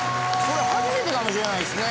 これ初めてかもしれないですね。